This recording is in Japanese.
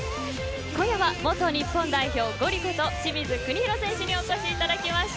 今夜は元日本代表ゴリこと清水邦広選手にお越しいただきました。